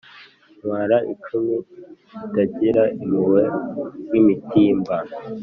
Ntwara icumu ritagira impuhwe nk'imitimba